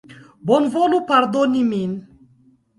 Bonvolu pardoni min!